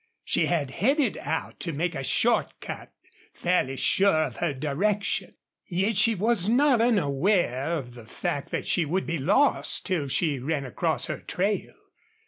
She had headed out to make a short cut, fairly sure of her direction, yet she was not unaware of the fact that she would be lost till she ran across her trail.